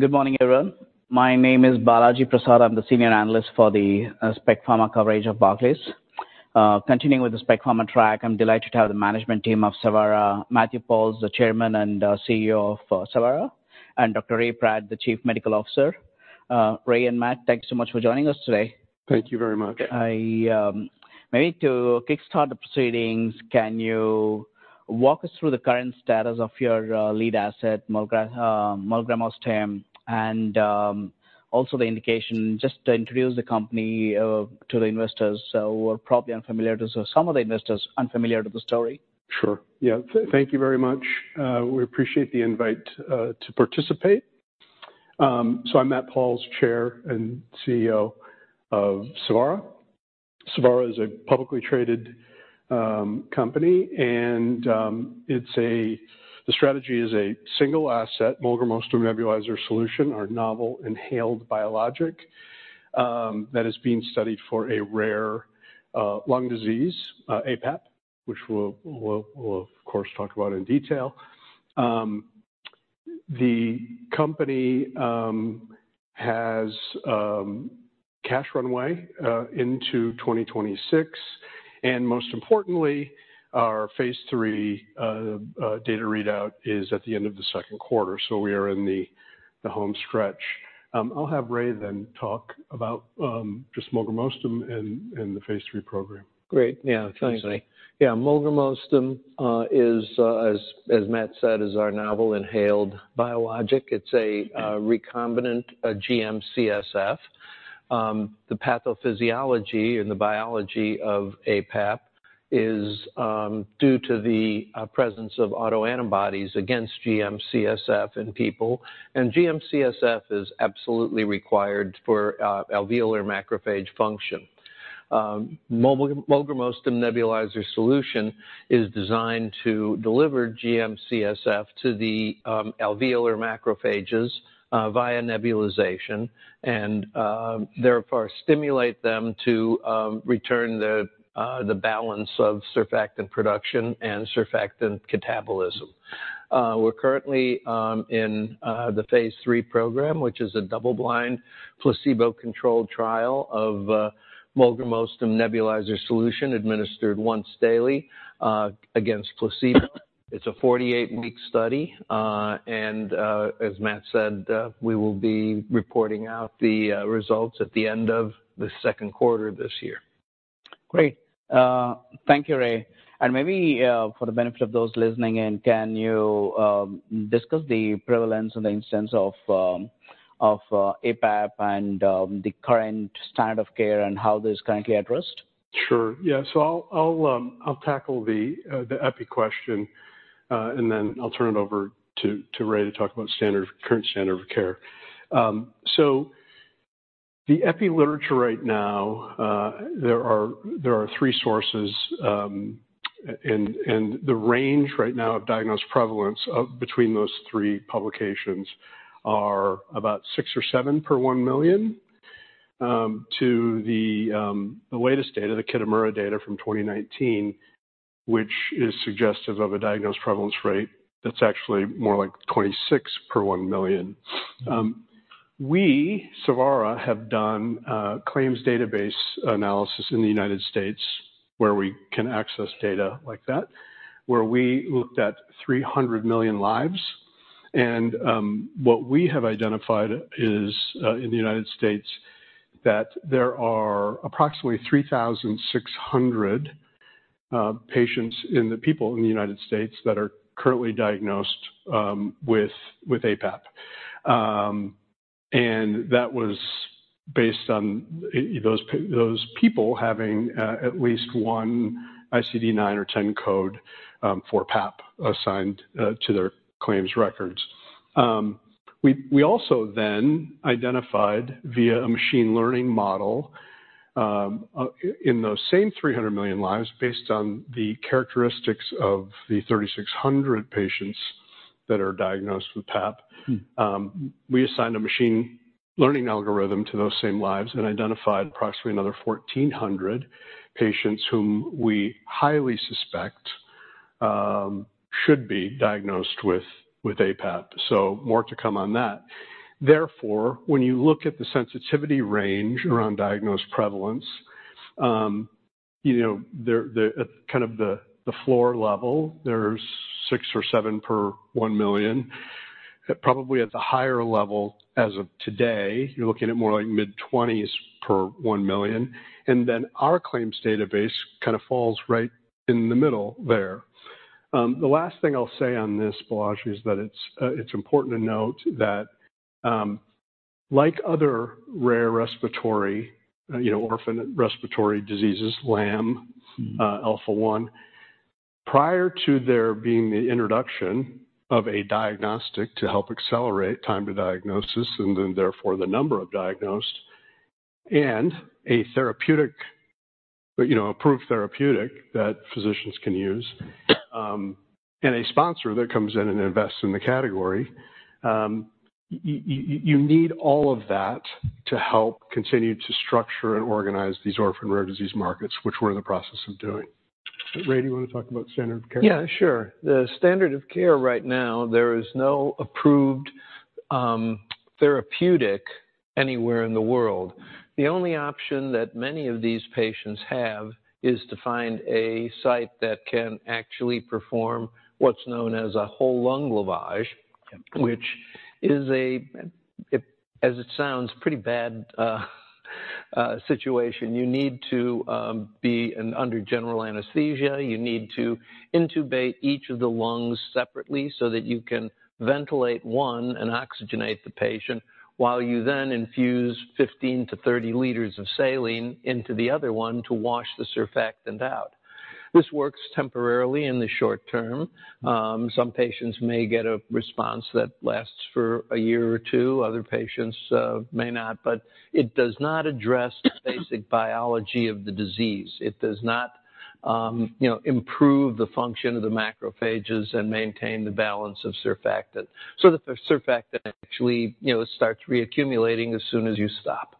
Good morning, everyone. My name is Balaji Prasad. I'm the Senior Analyst for the Spec Pharma coverage of Barclays. Continuing with the Spec Pharma track, I'm delighted to have the management team of Savara: Matthew Pauls, the Chairman and Chief Executive Officer of Savara, and Dr. Ray Pratt, the Chief Medical Officer. Ray and Matt, thanks so much for joining us today. Thank you very much. Maybe to kickstart the proceedings, can you walk us through the current status of your lead asset, molgramostim, and also the indication just to introduce the company to the investors who are probably unfamiliar with the story? Sure. Yeah. Thank you very much. We appreciate the invite to participate. So I'm Matt Pauls, Chair and Chief Executive Officer of Savara. Savara is a publicly traded company, and it's the strategy is a single-asset molgramostim nebulizer solution, our novel inhaled biologic, that is being studied for a rare lung disease, aPAP, which we'll of course talk about in detail. The company has cash runway into 2026. And most importantly, our phase III data readout is at the end of the second quarter, so we are in the home stretch. I'll have Ray then talk about just molgramostim and the phase III program. Great. Yeah. Thanks, Ray. Yeah. molgramostim is, as Matt said, our novel inhaled biologic. It's a recombinant GM-CSF. The pathophysiology and the biology of aPAP is due to the presence of autoantibodies against GM-CSF in people. And GM-CSF is absolutely required for alveolar macrophage function. molgramostim nebulizer solution is designed to deliver GM-CSF to the alveolar macrophages via nebulization and therefore stimulate them to return the balance of surfactant production and surfactant catabolism. We're currently in the phase III program, which is a double-blind, placebo-controlled trial of molgramostim nebulizer solution administered once daily against placebo. It's a 48-week study. And, as Matt said, we will be reporting out the results at the end of the second quarter this year. Great. Thank you, Ray. Maybe, for the benefit of those listening in, can you discuss the prevalence and the incidence of aPAP and the current standard of care and how this is currently addressed? Sure. Yeah. So I'll tackle the Epi question, and then I'll turn it over to Ray to talk about the current standard of care. So the Epi literature right now, there are three sources. And the range right now of diagnosed prevalence between those three publications is about six or seven per 1 million. To the latest data, the Kitamura data from 2019, which is suggestive of a diagnosed prevalence rate that's actually more like 26 per 1 million. We, Savara, have done claims database analysis in the United States where we can access data like that, where we looked at 300 million lives. And what we have identified is, in the United States there are approximately 3,600 patients in the United States that are currently diagnosed with aPAP. And that was based on those people having at least one ICD-9 or ICD-10 code for aPAP assigned to their claims records. We also then identified via a machine learning model, in those same 300 million lives based on the characteristics of the 3,600 patients that are diagnosed with aPAP, we assigned a machine learning algorithm to those same lives and identified approximately another 1,400 patients whom we highly suspect should be diagnosed with aPAP. So more to come on that. Therefore, when you look at the sensitivity range around diagnosed prevalence, you know, there at kind of the floor level, there's six or seven per 1 million. Probably at the higher level as of today, you're looking at more like mid-20s per 1 million. And then our claims database kind of falls right in the middle there. The last thing I'll say on this, Balaji, is that it's important to note that, like other rare respiratory, you know, orphaned respiratory diseases, LAM, Alpha-1, prior to there being the introduction of a diagnostic to help accelerate time to diagnosis and then therefore the number of diagnosed, and a therapeutic, you know, approved therapeutic that physicians can use, and a sponsor that comes in and invests in the category, you need all of that to help continue to structure and organize these orphaned rare disease markets, which we're in the process of doing. Ray, do you wanna talk about standard of care? Yeah. Sure. The standard of care right now, there is no approved therapeutic anywhere in the world. The only option that many of these patients have is to find a site that can actually perform what's known as a whole lung lavage, which is, as it sounds, pretty bad situation. You need to be under general anesthesia. You need to intubate each of the lungs separately so that you can ventilate one and oxygenate the patient while you then infuse 15 to 30 liters of saline into the other one to wash the surfactant out. This works temporarily in the short term. Some patients may get a response that lasts for a year or two. Other patients may not. But it does not address the basic biology of the disease. It does not, you know, improve the function of the macrophages and maintain the balance of surfactant. The surfactant actually, you know, starts reaccumulating as soon as you stop.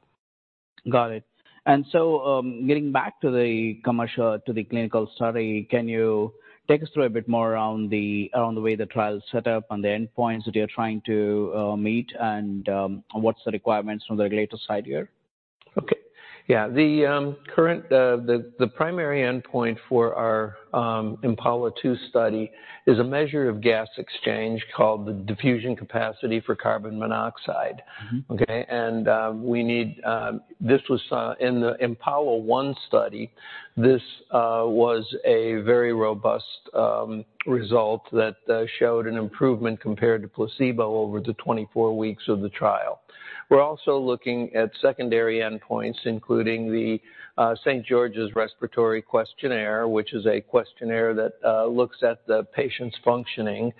Got it. And so, getting back to the commercial to the clinical study, can you take us through a bit more around the way the trial's set up and the endpoints that you're trying to meet, and what's the requirements from the regulator side here? Okay. Yeah. The current primary endpoint for our IMPALA 2 study is a measure of gas exchange called the diffusion capacity for carbon monoxide. Okay? And this was in the IMPALA 1 study a very robust result that showed an improvement compared to placebo over the 24 weeks of the trial. We're also looking at secondary endpoints, including the St. George's Respiratory Questionnaire, which is a questionnaire that looks at the patient's functioning,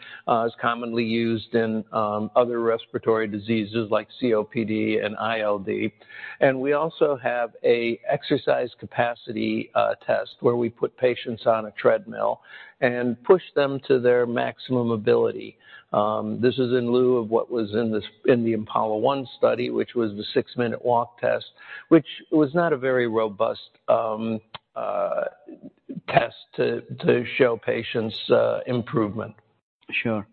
is commonly used in other respiratory diseases like COPD and ILD. And we also have a exercise capacity test where we put patients on a treadmill and push them to their maximum ability. This is in lieu of what was in the IMPALA 1 study, which was the 6-minute walk test, which was not a very robust test to show patients improvement. Sure.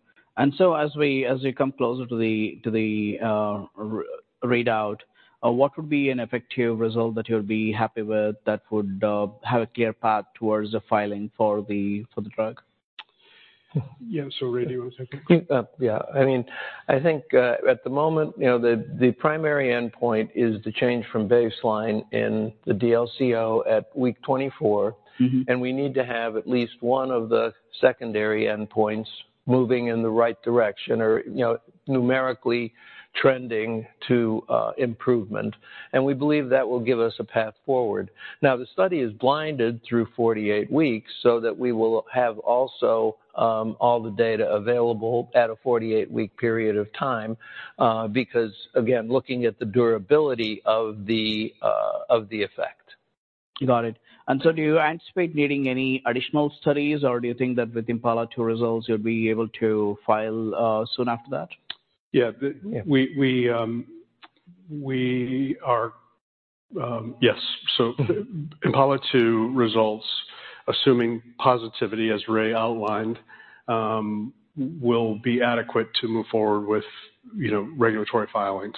So as we come closer to the readout, what would be an effective result that you'd be happy with that would have a clear path towards the filing for the drug? Yeah. So, Ray, do you wanna take it? Yeah. I mean, I think, at the moment, you know, the primary endpoint is the change from baseline in the DLCO at week 24. And we need to have at least one of the secondary endpoints moving in the right direction or, you know, numerically trending to improvement. And we believe that will give us a path forward. Now, the study is blinded through 48 weeks so that we will have also all the data available at a 48-week period of time, because, again, looking at the durability of the effect. Got it. And so do you anticipate needing any additional studies, or do you think that with IMPALA 2 results, you'd be able to file, soon after that? Yeah. We are, yes. So IMPALA 2 results, assuming positivity as Ray outlined, will be adequate to move forward with, you know, regulatory filings.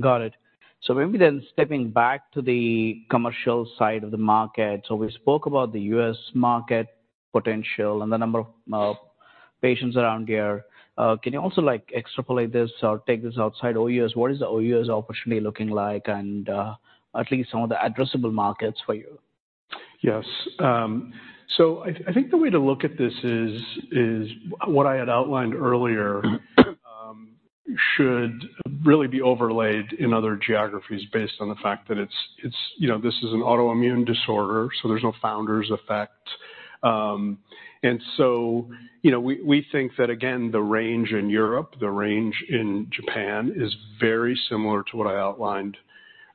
Got it. So maybe then stepping back to the commercial side of the market. So we spoke about the U.S. market potential and the number of patients around here. Can you also, like, extrapolate this or take this outside ex-U.S.? What is the ex-U.S. opportunity looking like and at least some of the addressable markets for you? Yes. So I think the way to look at this is what I had outlined earlier, should really be overlaid in other geographies based on the fact that it's, you know, this is an autoimmune disorder, so there's no founder's effect. So, you know, we think that, again, the range in Europe, the range in Japan is very similar to what I outlined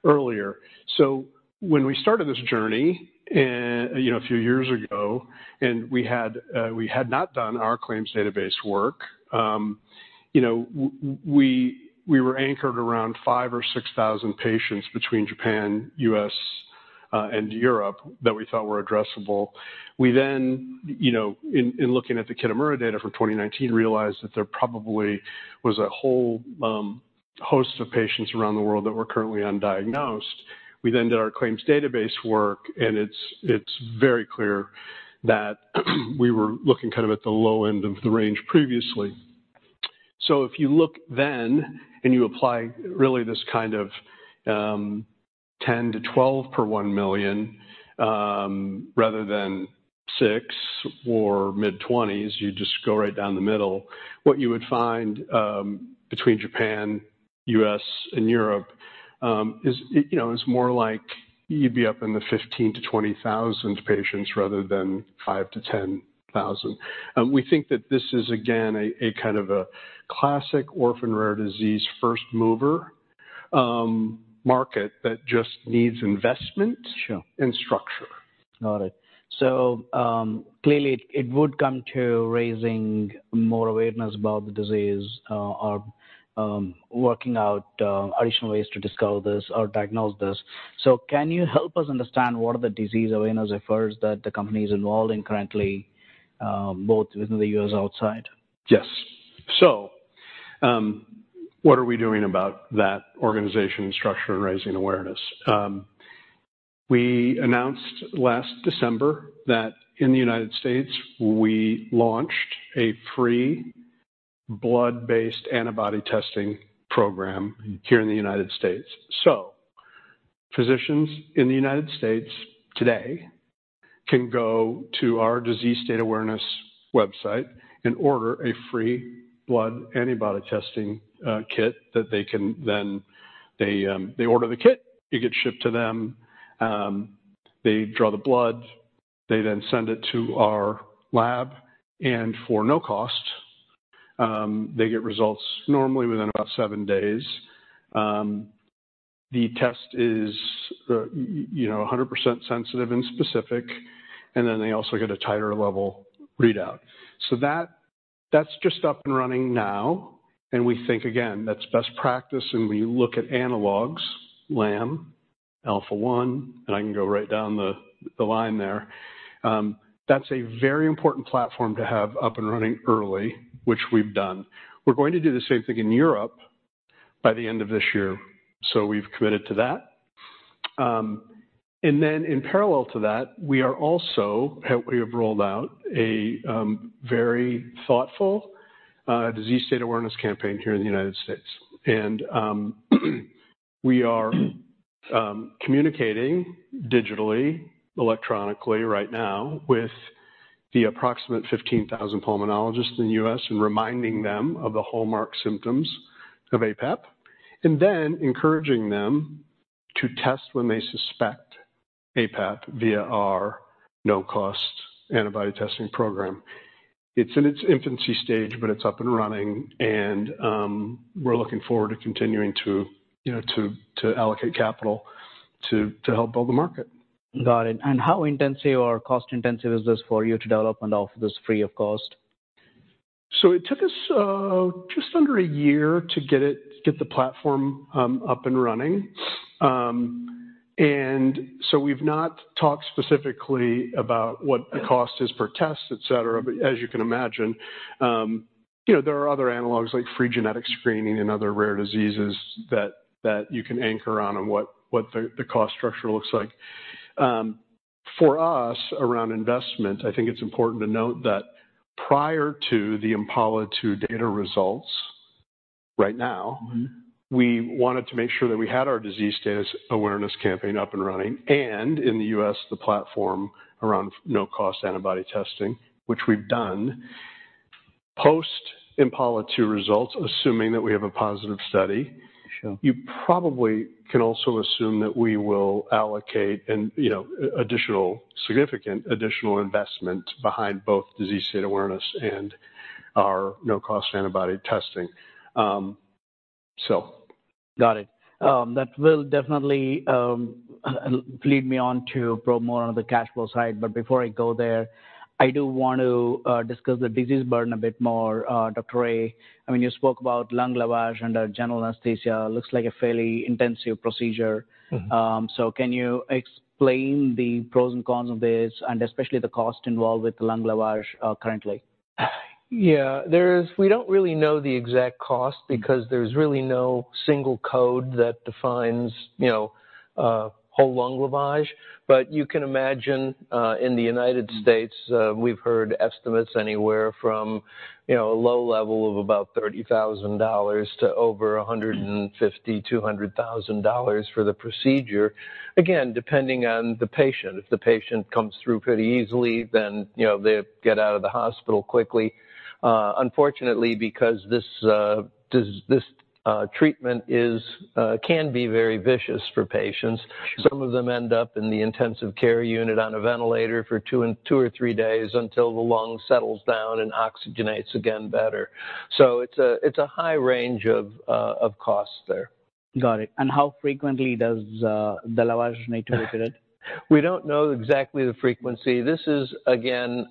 earlier. So when we started this journey a few years ago, and we had not done our claims database work, you know, we were anchored around 5,000 or 6,000 patients between Japan, U.S., and Europe that we thought were addressable. We then, you know, in looking at the Kitamura data from 2019, realized that there probably was a whole host of patients around the world that were currently undiagnosed. We then did our claims database work, and it's very clear that we were looking kind of at the low end of the range previously. So if you look then and you apply really this kind of 10 to 12 per 1 million, rather than six or mid-20s, you just go right down the middle, what you would find, between Japan, U.S, and Europe, is, you know, more like you'd be up in the 15,000-20,000 patients rather than 5,000-10,000. We think that this is, again, a kind of a classic orphaned rare disease first mover, market that just needs investment and structure. Sure. Got it. So, clearly, it would come to raising more awareness about the disease, or working out additional ways to discover this or diagnose this. So can you help us understand what are the disease awareness efforts that the company is involved in currently, both within the US outside? Yes. So, what are we doing about that organization and structure and raising awareness? We announced last December that in the United States, we launched a free blood-based antibody testing program here in the United States. So physicians in the United States today can go to our disease state awareness website and order a free blood antibody testing kit that they can then order the kit. It gets shipped to them. They draw the blood. They then send it to our lab. And for no cost, they get results normally within about seven days. The test is, you know, 100% sensitive and specific. And then they also get a titer level readout. So that, that's just up and running now. And we think, again, that's best practice. And when you look at analogs, LAM, Alpha-1, and I can go right down the line there, that's a very important platform to have up and running early, which we've done. We're going to do the same thing in Europe by the end of this year. So we've committed to that. And then in parallel to that, we have rolled out a very thoughtful disease state awareness campaign here in the United States. And we are communicating digitally, electronically right now with the approximate 15,000 pulmonologists in the U.S. and reminding them of the hallmark symptoms of aPAP and then encouraging them to test when they suspect aPAP via our no-cost antibody testing program. It's in its infancy stage, but it's up and running. And we're looking forward to continuing to you know allocate capital to help build the market. Got it. And how intensive or cost-intensive is this for you to develop and offer this free of cost? So it took us just under a year to get the platform up and running. And so we've not talked specifically about what the cost is per test, etc., but as you can imagine, you know, there are other analogs like free genetic screening and other rare diseases that you can anchor on and what the cost structure looks like. For us around investment, I think it's important to note that prior to the IMPALA 2 data results right now, we wanted to make sure that we had our disease state awareness campaign up and running and in the US, the platform around no-cost antibody testing, which we've done. Post-IMPALA 2 results, assuming that we have a positive study, you probably can also assume that we will allocate and, you know, significant additional investment behind both disease state awareness and our no-cost antibody testing so. Got it. That will definitely lead me on to probe more on the cash flow side. But before I go there, I do wanna discuss the disease burden a bit more, Dr. Ray. I mean, you spoke about lung lavage under general anesthesia. It looks like a fairly intensive procedure. So can you explain the pros and cons of this and especially the cost involved with the lung lavage, currently? Yeah. We don't really know the exact cost because there's really no single code that defines, you know, whole lung lavage. But you can imagine, in the United States, we've heard estimates anywhere from, you know, a low level of about $30,000 to over $150,000-$200,000 for the procedure, again, depending on the patient. If the patient comes through pretty easily, then, you know, they get out of the hospital quickly. Unfortunately, because this treatment can be very vicious for patients. Some of them end up in the intensive care unit on a ventilator for two or three days until the lung settles down and oxygenates again better. So it's a high range of costs there. Got it. How frequently does the lavage need to be done? We don't know exactly the frequency. This is, again,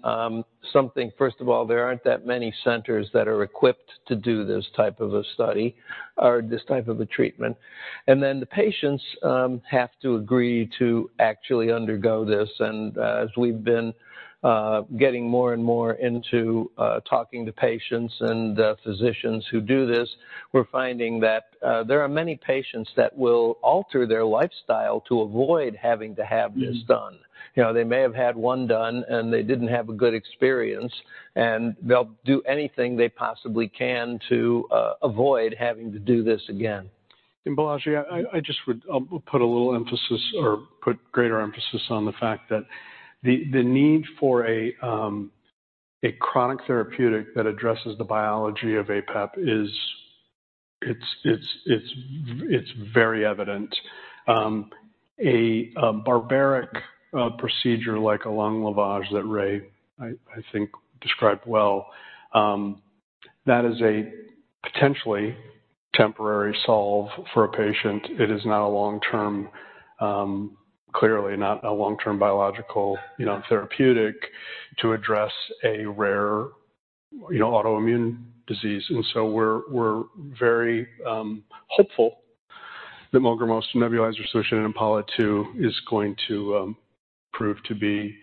something first of all, there aren't that many centers that are equipped to do this type of a study or this type of a treatment. And then the patients have to agree to actually undergo this. And, as we've been getting more and more into talking to patients and physicians who do this, we're finding that there are many patients that will alter their lifestyle to avoid having to have this done. You know, they may have had one done, and they didn't have a good experience. And they'll do anything they possibly can to avoid having to do this again. Balaji, I just would put a little emphasis or put greater emphasis on the fact that the need for a chronic therapeutic that addresses the biology of aPAP is. It's very evident. A barbaric procedure like a lung lavage that Ray I think described well, that is a potentially temporary solve for a patient. It is not a long-term, clearly not a long-term biological, you know, therapeutic to address a rare, you know, autoimmune disease. And so we're very hopeful that molgramostim nebulizer solution in IMPALA 2 is going to prove to be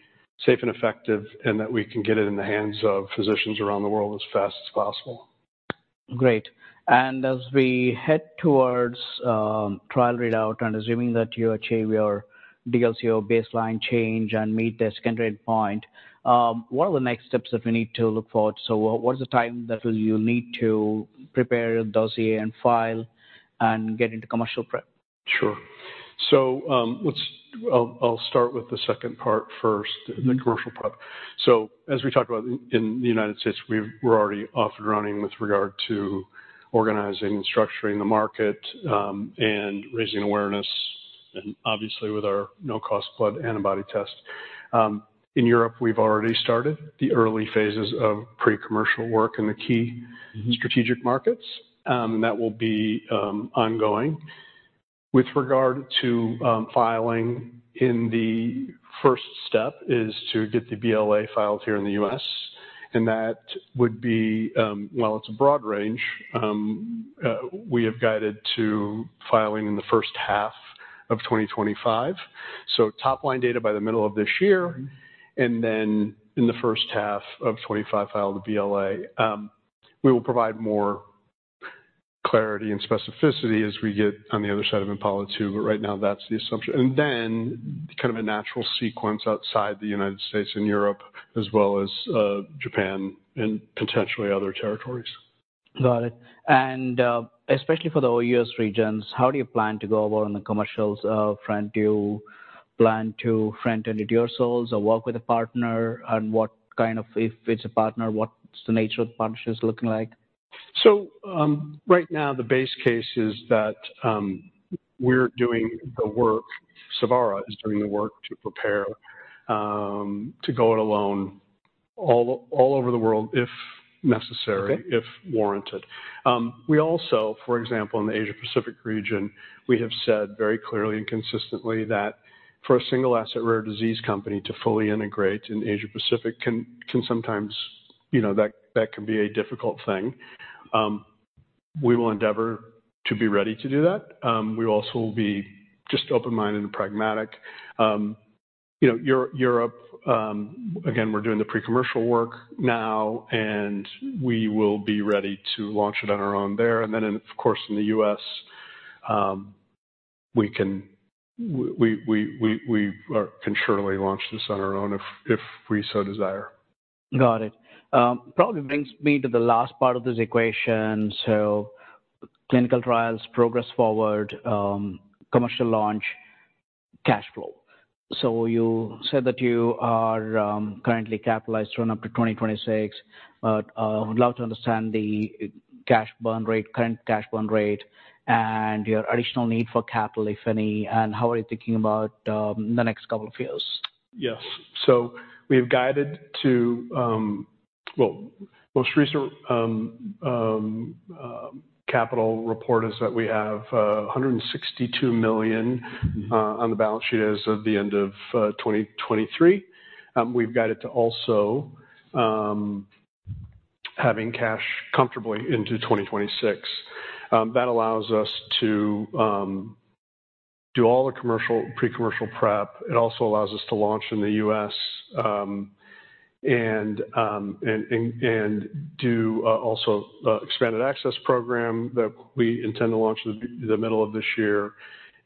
safe and effective and that we can get it in the hands of physicians around the world as fast as possible. Great. As we head towards trial readout and assuming that you achieve your DLCO baseline change and meet the secondary endpoint, what are the next steps that we need to look forward to? So what is the time that will you need to prepare dossier and file and get into commercial prep? Sure. So, I'll start with the second part first, the commercial prep. So as we talked about in the United States, we're already off and running with regard to organizing and structuring the market, and raising awareness. And obviously, with our no-cost blood antibody test, in Europe, we've already started the early phases of pre-commercial work in the key strategic markets. And that will be ongoing. With regard to filing, the first step is to get the BLA filed here in the U.S. And that would be, while it's a broad range, we have guided to filing in the first half of 2025. So top-line data by the middle of this year, and then in the first half of 2025, file the BLA. We will provide more clarity and specificity as we get on the other side of IMPALA 2. But right now, that's the assumption. And then kind of a natural sequence outside the United States and Europe as well as Japan and potentially other territories. Got it. And, especially for the OUS regions, how do you plan to go about on the commercial front? Do you plan to front-end it yourselves or work with a partner? And what kind of if it's a partner, what's the nature of the partnerships looking like? So, right now, the base case is that we're doing the work Savara is doing the work to prepare to go it alone all over the world if necessary, if warranted. We also, for example, in the Asia-Pacific region, have said very clearly and consistently that for a single asset rare disease company to fully integrate in Asia-Pacific can sometimes, you know, that can be a difficult thing. We will endeavor to be ready to do that. We also will be just open-minded and pragmatic. You know, Europe, again, we're doing the pre-commercial work now. And we will be ready to launch it on our own there. And then of course, in the US, we can surely launch this on our own if we so desire. Got it. Probably brings me to the last part of this equation. So clinical trials, progress forward, commercial launch, cash flow. So you said that you are currently capitalized on up to 2026, but would love to understand the cash burn rate, current cash burn rate, and your additional need for capital, if any, and how are you thinking about the next couple of years? Yes. So we have guided to, well, most recent capital report is that we have $162 million on the balance sheet as of the end of 2023. We've guided to also having cash comfortably into 2026. That allows us to do all the commercial pre-commercial prep. It also allows us to launch in the U.S. and do also expanded access program that we intend to launch in the middle of this year.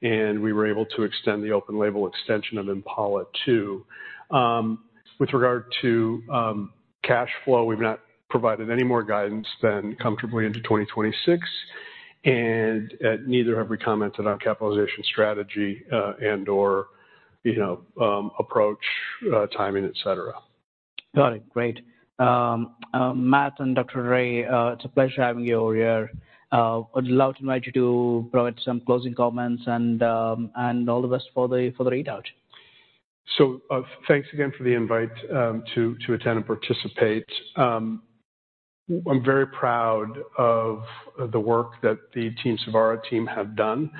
And we were able to extend the open-label extension of IMPALA 2. With regard to cash flow, we've not provided any more guidance than comfortably into 2026. And neither have we commented on capitalization strategy, and/or, you know, approach, timing, etc. Got it. Great. Matt and Dr. Ray, it's a pleasure having you over here. I'd love to invite you to provide some closing comments and all the best for the readout. So, thanks again for the invite to attend and participate. I'm very proud of the work that the Savara team have done.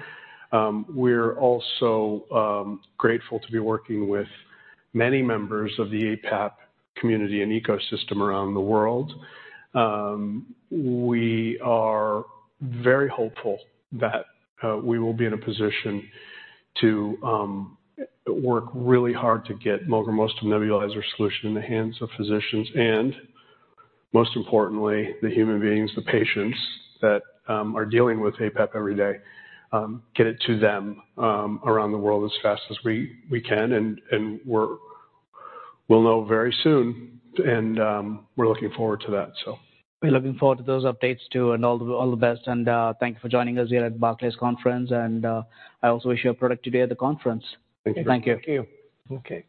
We're also grateful to be working with many members of the aPAP community and ecosystem around the world. We are very hopeful that we will be in a position to work really hard to get molgramostim nebulizer solution in the hands of physicians and, most importantly, the human beings, the patients that are dealing with aPAP every day, get it to them around the world as fast as we can. And we'll know very soon. And we're looking forward to that, so. We're looking forward to those updates too. All the best. Thank you for joining us here at Barclays Conference. I also wish you a productive day at the conference. Thank you. Thank you. Thank you. Okay.